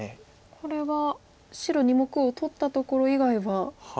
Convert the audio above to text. これは白２目を取ったところ以外は。